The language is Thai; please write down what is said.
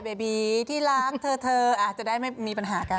เบบีที่รักเธอเธออาจจะได้ไม่มีปัญหากัน